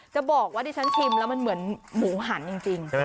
จะบอกว่าดิฉันชิมแล้วมันเหมือนหมูหันจริง